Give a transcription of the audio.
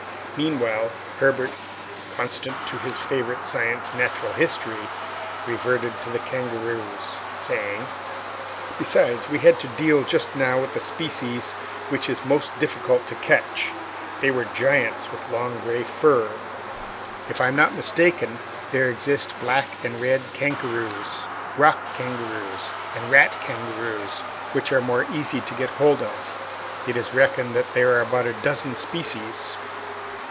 Meanwhile, Herbert constant to his favorite science, Natural History, reverted to the kangaroos, saying, "Besides, we had to deal just now with the species which is most difficult to catch. They were giants with long gray fur; but if I am not mistaken, there exist black and red kangaroos, rock kangaroos, and rat kangaroos, which are more easy to get hold of. It is reckoned that there are about a dozen species."